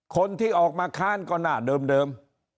คนที่ออกมาค้านก็หน้าเดิม